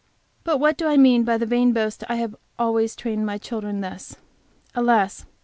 But what do I mean by the vain boast that I have always trained my children thus? Alas!